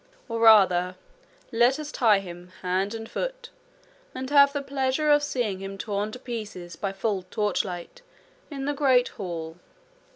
Or rather let us tie him hand and foot, and have the pleasure of seeing him torn to pieces by full torchlight in the great hall.'